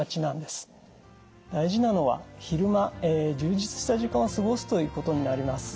大事なのは昼間充実した時間を過ごすということになります。